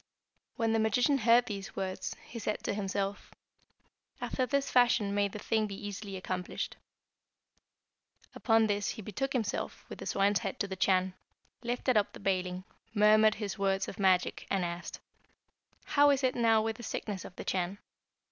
"When the magician heard these words, he said to himself, 'After this fashion may the thing be easily accomplished.' Upon this he betook himself, with the swine's head to the Chan, lifted up the baling, murmured his words of magic, and asked, 'How is it now with the sickness of the Chan?'